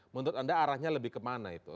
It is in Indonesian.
menurut anda arahnya lebih kemana itu